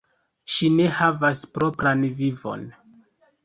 Ŝi ne havas propran vivon.